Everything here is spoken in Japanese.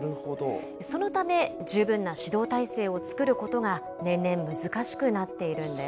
そのため、十分な指導体制を作ることが、年々難しくなっているんです。